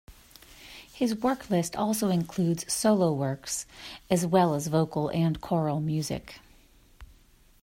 His work list also includes solo works as well as vocal and choral music.